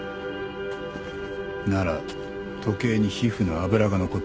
なら時計に皮膚の脂が残ってるはずだ。